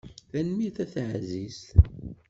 Tanemmirt a taɛzizt.